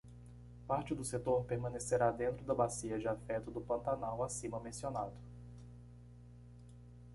Parte do setor permanecerá dentro da bacia de afeto do pantanal acima mencionado.